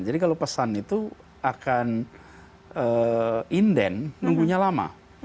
jadi kalau pesan itu akan inden nunggunya lama